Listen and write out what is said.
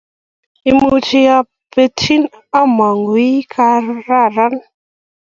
imuch a betchin amun I kararan